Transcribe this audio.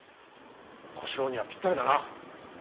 小四郎にはぴったりだな。